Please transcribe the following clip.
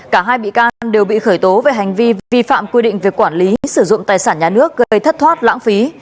cả hai bị can đều bị khởi tố về hành vi vi phạm quy định về quản lý sử dụng tài sản nhà nước gây thất thoát lãng phí